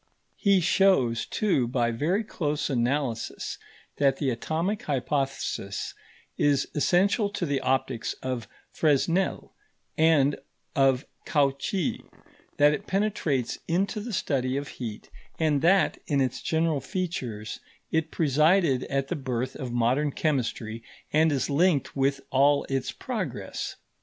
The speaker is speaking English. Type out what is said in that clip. He shows, too, by very close analysis, that the atomic hypothesis is essential to the optics of Fresnel and of Cauchy; that it penetrates into the study of heat; and that, in its general features, it presided at the birth of modern chemistry and is linked with all its progress.